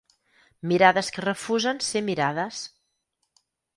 Mirades que refusen ser mirades.